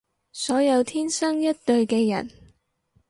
所有天生一對嘅人